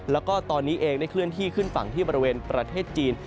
แล้วก็ตอนนี้เองได้เคลื่อนที่ขึ้นฝั่งที่บริเวณประเทศจีน